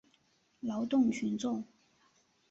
劳动群众。